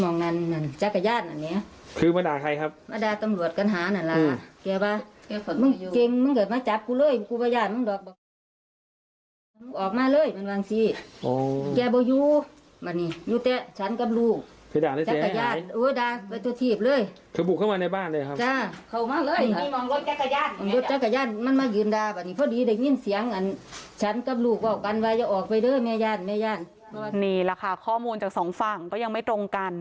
นี่แหละค่ะข้อมูลจากสองฝั่งก็ยังไม่ตรงกัน